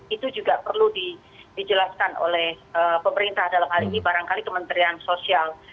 itu juga perlu dijelaskan oleh pemerintah dalam hal ini barangkali kementerian sosial